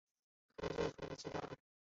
旧隶贵西道。